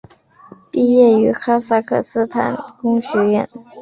毕业于哈萨克斯坦工学院。